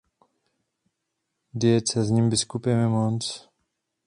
Diecézním biskupem je Mons.